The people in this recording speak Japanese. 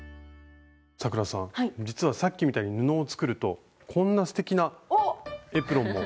咲楽さん実はさっきみたいに布を作るとこんなすてきなエプロンも作ることができるんですよ。